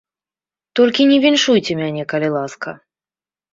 Толькі не віншуйце мяне, калі ласка.